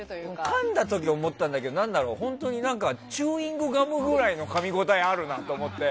かんだ時、思ったんだけどチューイングガムくらいのかみ応えあるなと思って。